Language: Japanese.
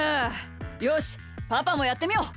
よしパパもやってみよう。